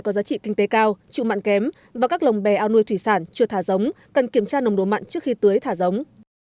có giá trị kinh tế cao trụ mặn kém và các lồng bè ao nuôi thủy sản chưa thả giống cần kiểm tra nồng đồ mặn trước khi tưới thả giống